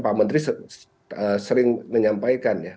pak menteri sering menyampaikan ya